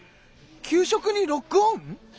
給食にロックオン？